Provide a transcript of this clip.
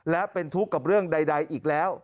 และเป็นทุกข์กับเรื่องใดอีกแล้ว